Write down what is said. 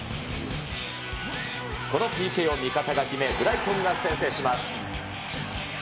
このＰＫを味方が決め、ブライトンが先制します。